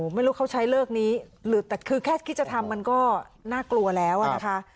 ไม่รู้เขาใช้เลิกนี้หรือแต่คือแค่คิดจะทำมันก็น่ากลัวแล้วนะคะ